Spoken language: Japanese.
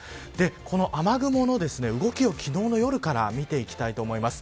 この雨雲の動きを昨日の夜から見ていきたいと思います。